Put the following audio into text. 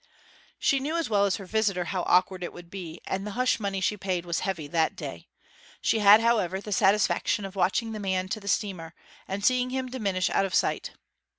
She knew as well as her visitor how awkward it would be; and the hush money she paid was heavy that day. She had, however, the satisfaction of watching the man to the steamer, and seeing him diminish out of sight.